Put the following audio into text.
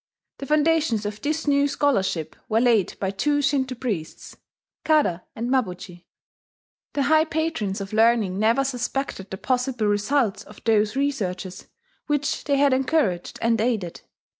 The foundations of this new scholarship were laid by two Shinto priests, Kada and Mabuchi. The high patrons of learning never suspected the possible results of those researches which they had encouraged and aided.